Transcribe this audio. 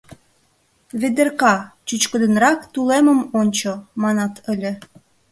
«Ведерка, чӱчкыдынрак тулемым ончо, — манат ыле.